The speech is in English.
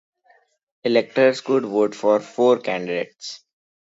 Electors could vote for four candidates.